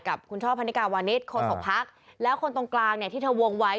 กับคุณชอบพนิกาวานิดโคนศพักและคนตรงกลางที่เธอวงไว้